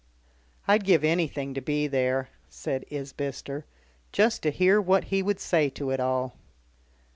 "I'd give anything to be there," said Isbister, "just to hear what he would say to it all."